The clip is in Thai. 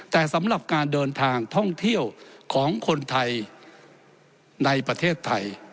แต่สำหรับการเดินทางท่องเที่ยวของคนไทยในประเทศไทย